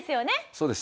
そうです。